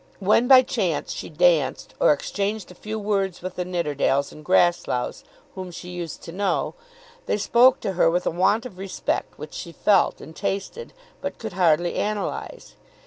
When by chance she danced or exchanged a few words with the Nidderdales and Grassloughs whom she used to know, they spoke to her with a want of respect which she felt and tasted but could hardly analyse.